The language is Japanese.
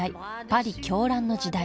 パリ狂乱の時代